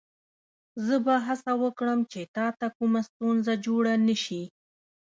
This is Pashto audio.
زه به هڅه وکړم چې تا ته کومه ستونزه جوړه نه شي.